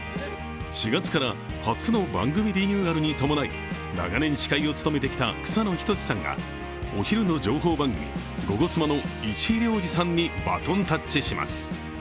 ４月から初の番組リニューアルに伴い長年司会を務めてきた草野仁さんがお昼の情報番組「ゴゴスマ」の石井亮次さんにバトンタッチします。